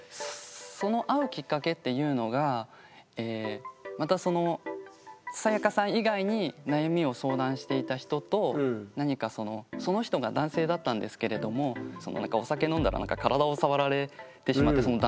その会うきっかけっていうのがまたそのサヤカさん以外に悩みを相談していた人とその人が男性だったんですけれどもお酒飲んだら体を触られてしまってその男性に。